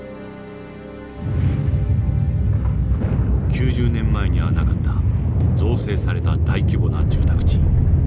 ９０年前にはなかった造成された大規模な住宅地。